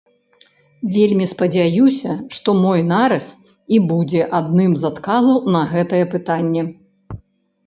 Вельмі спадзяюся, што мой нарыс і будзе адным з адказаў на гэтае пытанне.